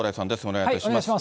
お願いいたします。